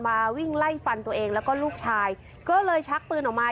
วิ่งไล่ฟันตัวเองแล้วก็ลูกชายก็เลยชักปืนออกมา